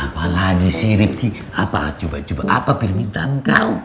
apalagi sih rifki apa permintaan kau